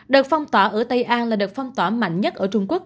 đợt phong tỏa ở tây an là đợt phong tỏa mạnh nhất ở trung quốc